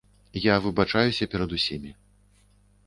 Я выбачаюся перад усімі.